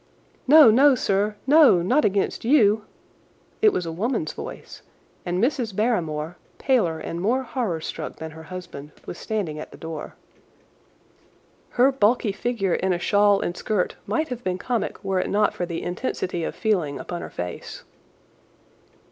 "No, no, sir; no, not against you!" It was a woman's voice, and Mrs. Barrymore, paler and more horror struck than her husband, was standing at the door. Her bulky figure in a shawl and skirt might have been comic were it not for the intensity of feeling upon her face.